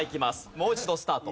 もう一度スタート。